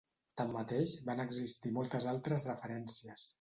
Tanmateix, van existir moltes altres referències.